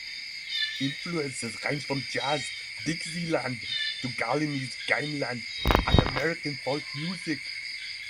Influences range from jazz, Dixieland, to Balinese gamelan and American folk music.